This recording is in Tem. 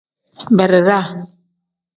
Beredaa.